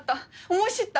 思い知った。